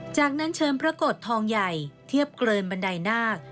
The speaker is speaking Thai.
จากนั้นเชิญพระกฏทองใหญ่เทียบเกินบันไดนาค